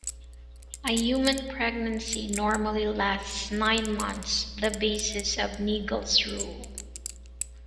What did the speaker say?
A human pregnancy normally lasts nine months, the basis of Naegele's rule.